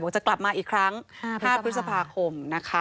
บอกว่าจะกลับมาอีกครั้ง๕พฤษภาคม